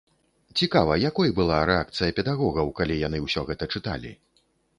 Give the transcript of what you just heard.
Цікава, якой была рэакцыя педагогаў, калі яны ўсё гэта чыталі?